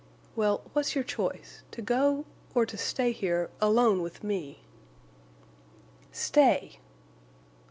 "Well, what's your choice—to go—or to stay here—alone with me?" "Stay!"